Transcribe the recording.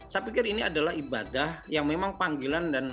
saya pikir ini adalah ibadah yang memang panggilan dan